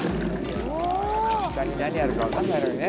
下に何あるか分かんないのにね